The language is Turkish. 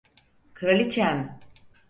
Kraliçem…